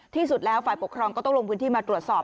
ที่สุดแล้วฝ่ายปกครองก็ต้องลงพื้นที่มาตรวจสอบ